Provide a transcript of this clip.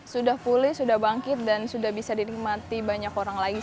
sudah pulih sudah bangkit dan sudah bisa dinikmati banyak orang lagi